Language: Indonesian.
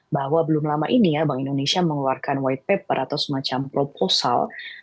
bahwa belum lama ini ya bank indonesia mengeluarkan white paper atau semacam proposal